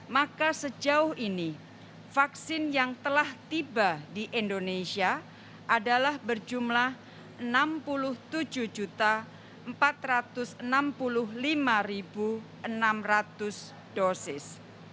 maka sejauh ini vaksin yang telah tiba di indonesia adalah berjumlah enam puluh tujuh empat ratus enam puluh lima enam ratus dosis